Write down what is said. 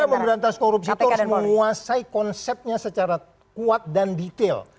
kita memberantas korupsi itu harus menguasai konsepnya secara kuat dan detail